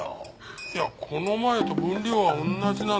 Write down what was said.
いやこの前と分量は同じなんだけどな。